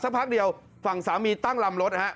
พักเดียวฝั่งสามีตั้งลำรถฮะ